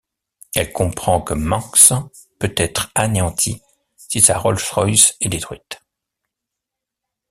Elle comprend que Manx peux être anéanti si sa Rolls-Royce est détruite.